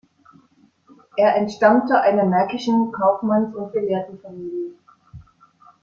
Er entstammte einer märkischen Kaufmanns- und Gelehrtenfamilie.